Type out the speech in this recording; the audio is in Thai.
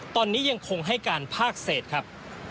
ตอนนี้ยังคงให้การภาคเศษครับ